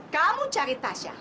kamu cari tasya